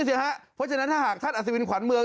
เพราะฉะนั้นถ้าหากท่านอัศวินขวัญเมือง